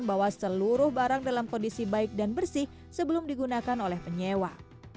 bahwa seluruh barang dalam kondisi baik dan bersih sebelum digunakan oleh penyewa